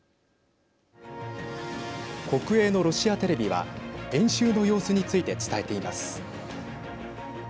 国営のロシアテレビは演習の様子について伝えています。